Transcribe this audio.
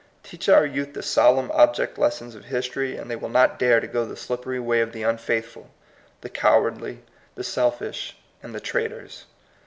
Teach our youth the solemn object lessons of history, and they will not dare to go the slippery way of the unfaithful, the cowardly, the selfish, and the traitors.